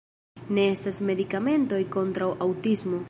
Ne estas medikamentoj kontraŭ aŭtismo.